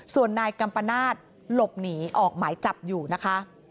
ส่วนนายกัมปนาศหลบหนีออกหมายจับอยู่นะคะ